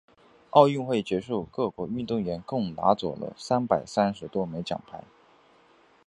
奥运会结束，各国运动员共拿走了三百三十多枚奖牌。